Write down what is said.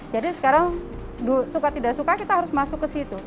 jadi sekarang suka tidak suka kita harus masuk ke situ